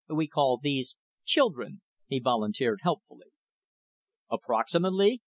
We call these children," he volunteered helpfully. "Approximately?"